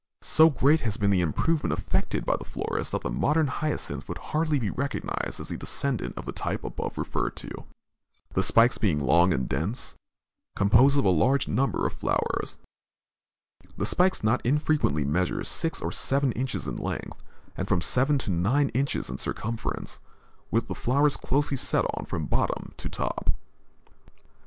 So great has been the improvement effected by the florists that the modern hyacinth would hardly be recognized as the descendant of the type above referred to, the spikes being long and dense, composed of a large number of flowers; the spikes not infrequently measure six or seven inches in length and from seven to nine inches in circumference, with the flowers closely set on from bottom to top.